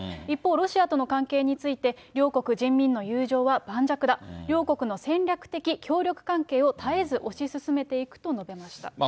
一方、ロシアとの関係について、両国人民の友情は盤石だ、両国の戦略的協力関係を絶えず推し進めていくと述べました。